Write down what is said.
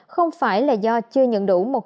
không phải là do chưa nhận đủ